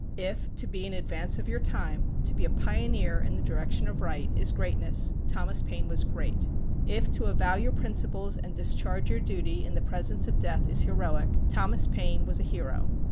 If to be in advance of your time, to be a pioneer in the direction of right, is greatness, Thomas Paine was great. If to avow your principles and discharge your duty in the presence of death is heroic, Thomas Paine was a hero.